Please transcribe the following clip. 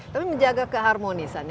tapi menjaga keharmonisannya